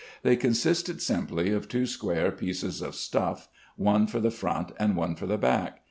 They consisted simply of two square pieces of stuff, one for the front and one for the back.